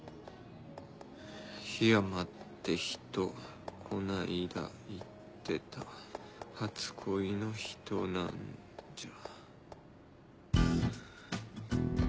「ひやまって人こないだ言ってた初恋の人なんじゃ」。